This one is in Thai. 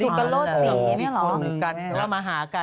สูงหนึ่งกันมาหากัน